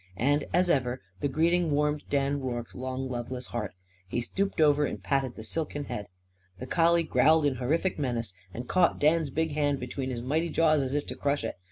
And, as ever, the greeting warmed Dan Rorke's long loveless heart. He stooped over and patted the silken head. The collie growled in horrific menace and caught Dan's big hand between his mighty jaws as if to crush it.